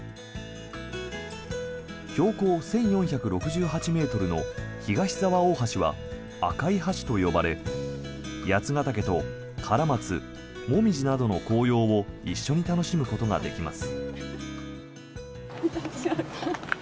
標高１４６８ｍの東沢大橋は赤い橋と呼ばれ八ケ岳とカラマツ、モミジなどの紅葉を一緒に楽しむことができます。